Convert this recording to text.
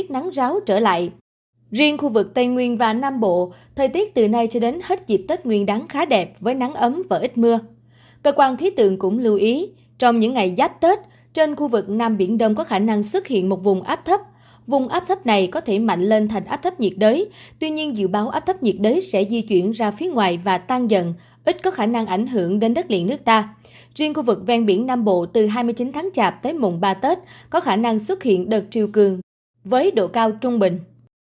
từ hai mươi chín tháng chạp tới mùng ba tết có khả năng xuất hiện đợt triều cường với độ cao trung bình